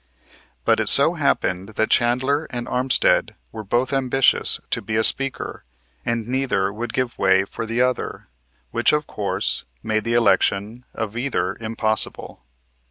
But it so happened that Chandler and Armstead were both ambitious to be Speaker and neither would give way for the other, which, of course, made the election of either impossible.